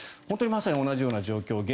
本当にまさに同じ状況。